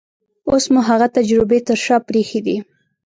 اوس مو هغه تجربې تر شا پرېښې دي.